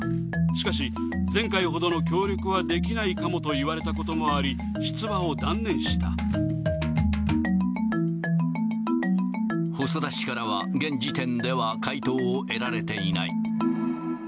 しかし、前回ほどの協力はできないかもと言われたこともあり、出馬を断念細田氏からは現時点では回答を得られていない。